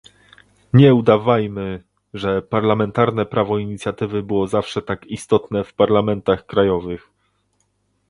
Nie udawajmy, że parlamentarne prawo inicjatywy było zawsze tak istotne w parlamentach krajowych